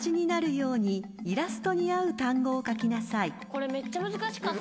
これめっちゃ難しかった。